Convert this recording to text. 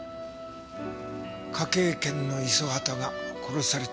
科警研の五十畑が殺された事件。